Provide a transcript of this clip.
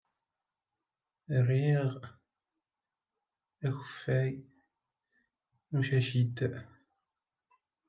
Riɣ akeffay n ucacid.